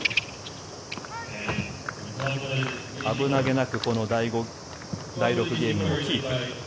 危なげなくこの第６ゲームをキープ。